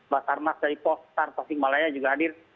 basar mas dari pos tartasik malaya juga hadir